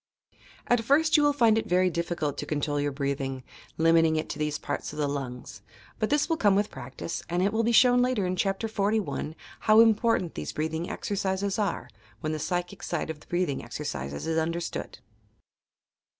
At first you will find it very difficult to control your breathing, limiting it to these parts of the lungs: but this will come with practice, and it will be shown later in Chapter XLI how important these breathing exercises are, when the psychic side of the breathing exercises is understood.